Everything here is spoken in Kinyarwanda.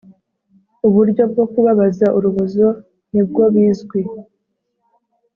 uburyo bwo kubabaza urubozo ni bwo bizwi